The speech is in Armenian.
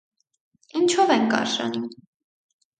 Ինչո՞վ ենք արժանի: